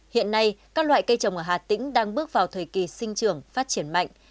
hiện nay các loại cây trồng ở hà tĩnh đang bước vào thời kỳ sinh trưởng phát triển mạnh